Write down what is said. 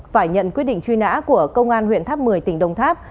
phải nhận quyết định truy nã của công an huyện tháp một mươi tỉnh đồng tháp